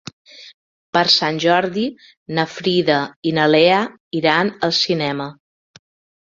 Per Sant Jordi na Frida i na Lea iran al cinema.